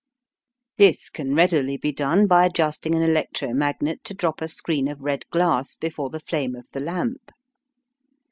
This can readily be done by adjusting an electromagnet to drop a screen of red glass before the flame of the lamp.